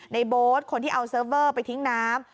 โบ๊ทคนที่เอาเซิร์ฟเวอร์ไปทิ้งน้ำ